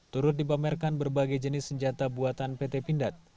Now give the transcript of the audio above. turut dipamerkan berbagai jenis senjata buatan pt pindad